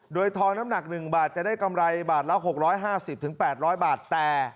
โดยทองน้ำหนัก๑บาทจะได้กำไรบาทละ๖๕๐๘๐๐บาท